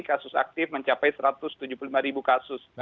kasus aktif mencapai satu ratus tujuh puluh lima ribu kasus